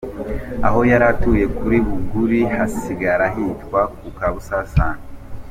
Aho yari atuye kuri Buguli hasigara hitwa ku Kabusanane.